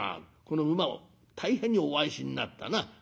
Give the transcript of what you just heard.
この馬を大変にお愛しになったな。